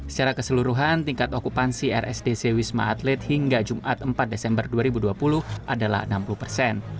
secara keseluruhan tingkat okupansi rsdc wisma atlet hingga jumat empat desember dua ribu dua puluh adalah enam puluh persen